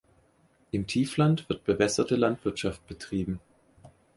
Im Tiefland wird bewässerte Landwirtschaft betrieben.